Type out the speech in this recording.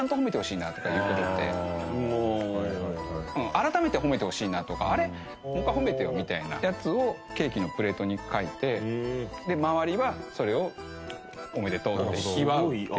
改めて褒めてほしいなとかあれもう一回褒めてよみたいなやつをケーキのプレートに書いて周りはそれをおめでとうって祝うっていう。